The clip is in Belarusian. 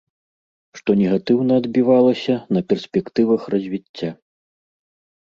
Што негатыўна адбівалася на перспектывах развіцця.